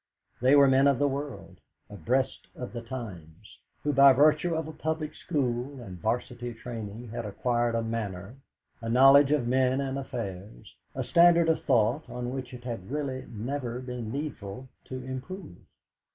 They were men of the world, abreast of the times, who by virtue of a public school and 'Varsity training had acquired a manner, a knowledge of men and affairs, a standard of thought on which it had really never been needful to improve.